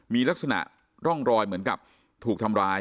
มีลักษณะร่องรอยเหมือนกับถูกทำร้าย